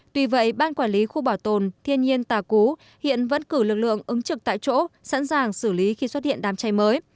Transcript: tuy vậy ban quản lý khu bảo tồn thiên nhiên tà cú hiện vẫn cử lực lượng ứng trực tại chỗ sẵn sàng xử lý khi xuất hiện đám cháy mới